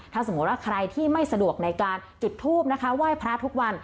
ถ้าสมมติว่าใครที่ไม่สะดวกในการจุดทูบนะคะไหว้พระทุกวัน